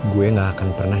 gue gak akan pernah